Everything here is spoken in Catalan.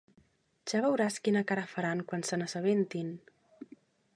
Ja veuràs quina cara faran quan se n'assabentin!